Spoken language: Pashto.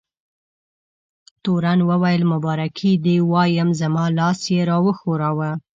تورن وویل: مبارکي دې وایم، زما لاس یې را وښوراوه.